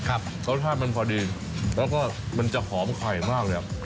รสชาติมันพอดีแล้วก็มันจะหอมไข่มากเลยอ่ะ